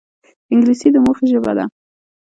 انګلیسي د موخې ژبه ده